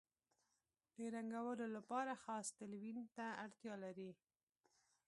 د رنګولو لپاره خاص تلوین ته اړتیا لري.